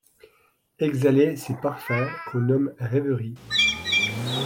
Exhalaient ces parfums qu’on nomme rêveries ;